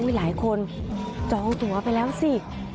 หลายคนจองตัวไปแล้วสิ